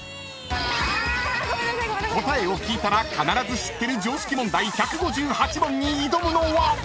［答えを聞いたら必ず知ってる常識問題１５８問に挑むのは］